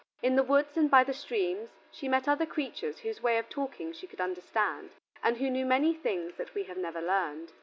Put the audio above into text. In the woods and by the streams she met other creatures whose way of talking she could understand, and who knew many things that we have never learned.